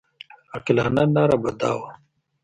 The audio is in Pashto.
عاقلانه لاره به دا وه.